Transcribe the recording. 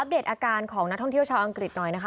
เดตอาการของนักท่องเที่ยวชาวอังกฤษหน่อยนะคะ